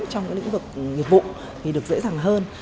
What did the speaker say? trong các lĩnh vực nghiệp vụ thì được dễ dàng hơn